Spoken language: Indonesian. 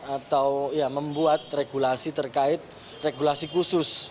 atau membuat regulasi terkait regulasi khusus